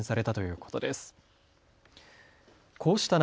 こうした中。